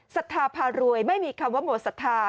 ศรัทธาพารวยไม่มีคำว่าหมดศรัทธา